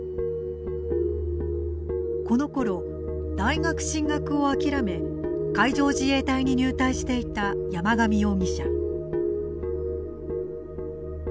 このころ、大学進学を諦め海上自衛隊に入隊していた山上容疑者。